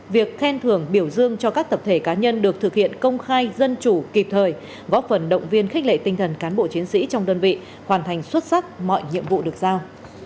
việc khen thưởng biểu dương cho các tập thể cá nhân được thực hiện công khai dân chủ kịp thời góp phần động viên khích lệ tinh thần cán bộ chiến sĩ trong đơn vị hoàn thành xuất sắc mọi nhiệm vụ được giao